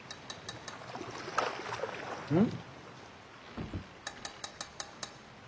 ・うん？